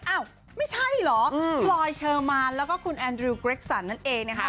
อ้าวไม่ใช่เหรอพลอยเชอร์มานแล้วก็คุณแอนดริวเกร็กสันนั่นเองนะคะ